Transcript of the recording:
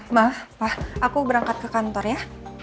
ma pa aku berangkat ke kantor ya